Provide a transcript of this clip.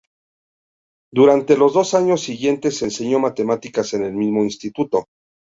Durante los dos años siguientes enseñó matemáticas en el mismo instituto.